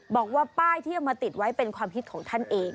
บอกว่าป้ายที่เอามาติดไว้เป็นความคิดของท่านเอง